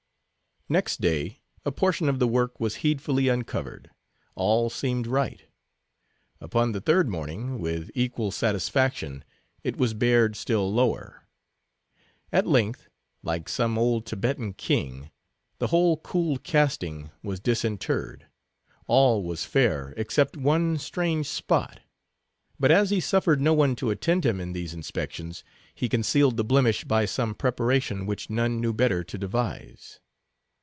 Next day a portion of the work was heedfully uncovered. All seemed right. Upon the third morning, with equal satisfaction, it was bared still lower. At length, like some old Theban king, the whole cooled casting was disinterred. All was fair except in one strange spot. But as he suffered no one to attend him in these inspections, he concealed the blemish by some preparation which none knew better to devise.